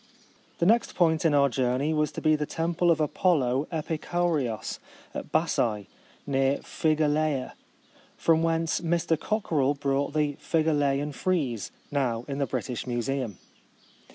The next point in our journey was to be the temple of Apollo Epikourios, at Bassae, near Phi galeia, from whence Mr Cockerell brought the Phigaleian frieze, now in the British Museum.